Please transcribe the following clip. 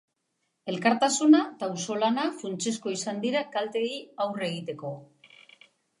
Elkartasuna eta auzolana funtsezko izan dira kalteei aurre egiteko.